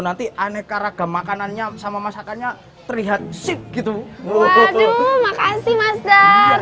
nanti aneka ragam makanannya sama masakannya terlihat seat gitu waduh makasih mas dar